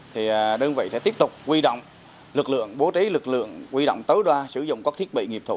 thì đơn vị sẽ tiếp tục quy động lực lượng bố trí lực lượng quy động tối đa sử dụng các thiết bị nghiệp thụ